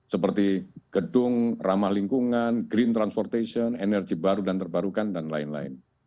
seperti gedung ramah lingkungan green transportation energi baru dan terbarukan dan lain lain